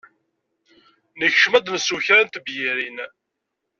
Nekcem ad d-nsew kra n tebyirin.